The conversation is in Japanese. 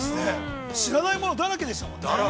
◆知らないものだらけでしたものね。